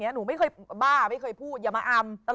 หนูไม่เคยบ้าไม่เคยพูดอย่ามาอำ